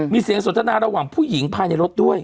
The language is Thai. มีเสียงสนทนาระหว่างผู้หญิงภายในรถด้วย